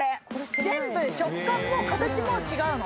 全部食感も形も違うの。